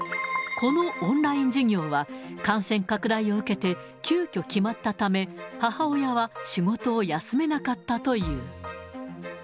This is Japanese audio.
このオンライン授業は、感染拡大を受けて急きょ決まったため、母親は仕事を休めなかったという。